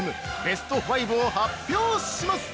ベスト５を発表します！